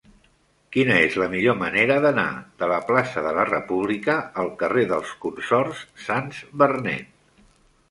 Quina és la millor manera d'anar de la plaça de la República al carrer dels Consorts Sans Bernet?